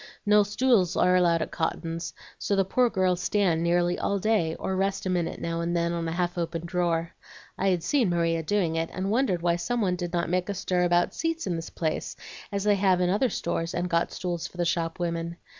No stools are allowed at Cotton's, so the poor girls stand nearly all day, or rest a minute now and then on a half opened drawer. I'd seen Maria doing it, and wondered why some one did not make a stir about seats in this place, as they have in other stores and got stools for the shop women.